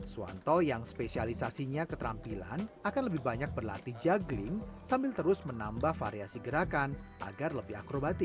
suwanto yang spesialisasinya keterampilan akan lebih banyak berlatih juggling sambil terus menambah variasi gerakan agar lebih akrobatif